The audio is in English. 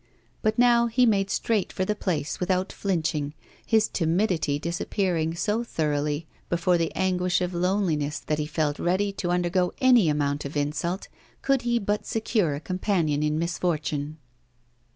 But now he made straight for the place without flinching, his timidity disappearing so thoroughly before the anguish of loneliness that he felt ready to undergo any amount of insult could he but secure a companion in misfortune.